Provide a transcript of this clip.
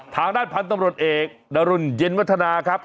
ทางด้านพันธุ์ตำรวจเอกนรุนเย็นวัฒนาครับ